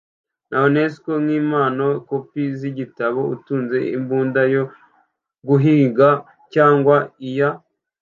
naunesco nk impano kopi z igitabo utunze imbunda yo guhiga cyangwa iya